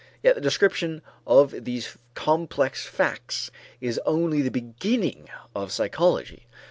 Yet the description of these complex facts is only the beginning of psychology.